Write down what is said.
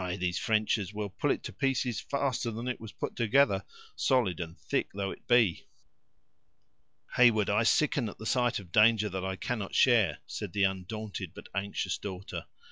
these Frenchers will pull it to pieces faster than it was put together, solid and thick though it be!" "Heyward, I sicken at the sight of danger that I cannot share," said the undaunted but anxious daughter.